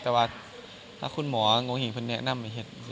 แต่ว่าถ้าคุณหมองงงหิงพวกนั้นนักไม่เฮ็ด